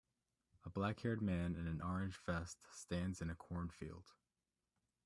A blackhaired man in an orange vest stands in a cornfield.